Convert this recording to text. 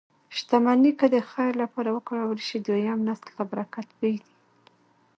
شتمني که د خیر لپاره وکارول شي، دویم نسل ته برکت پرېږدي.